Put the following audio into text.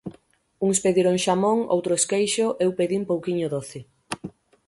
Uns pediron xamón, outros queixo, eu pedín pouquiño doce.